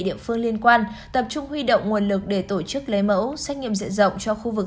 địa phương liên quan tập trung huy động nguồn lực để tổ chức lấy mẫu xét nghiệm diện rộng cho khu vực